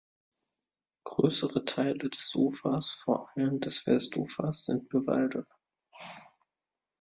Größere Teile des Ufers, vor allem das Westufer, sind bewaldet.